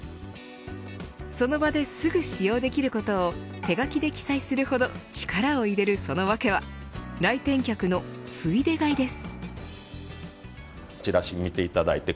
その場ですぐ使用できることを手書きで記載するほど力を入れるその訳は来店客の、ついで買いです。